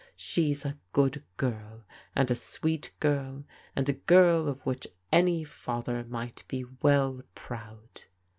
She's a good girl, and a sweet girl, and a girl of which any father might be well proud.